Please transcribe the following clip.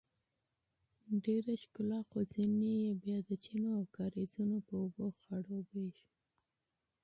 ډیره ښکلا خو ځینې یې بیا د چینو او کاریزونو په اوبو خړوبیږي.